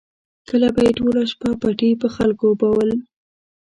کله به یې ټوله شپه پټي په خلکو اوبول.